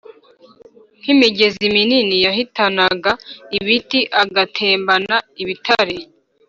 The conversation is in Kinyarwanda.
nk imigezi minini Yahitanaga ibiti agatembana ibitare